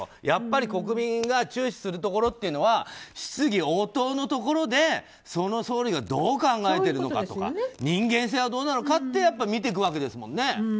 やっぱり国民が注視するところは質疑応答のところで、その総理がどう考えてるのかとか人間性はどうなのかって見ていくわけですもんね。